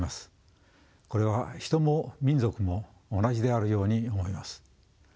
これは人も民族も同じであるように思います。